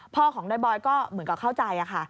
พ่อของนายบอยก็เหมือนกับเข้าใจค่ะ